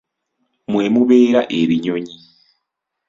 Mwe mubeera ebinyonyi.